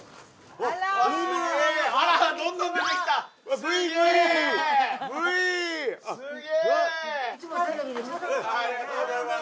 ありがとうございます